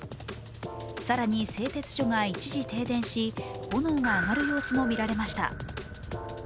更に製鉄所が一時停電し炎が上がる様子が見られました。